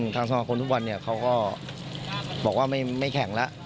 ทางสู่คนทุกวันเขาก็ว่าไม่แข่งแล้ว